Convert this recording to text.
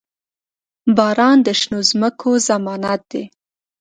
• باران د شنو ځمکو ضمانت دی.